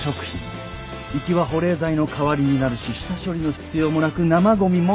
行きは保冷剤の代わりになるし下処理の必要もなく生ごみも出ない。